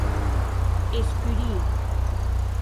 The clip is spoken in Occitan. Escurie.